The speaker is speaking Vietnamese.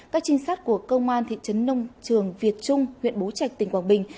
các trinh sát của công an thị trấn nông trường việt trung huyện bố trạch tỉnh quảng bình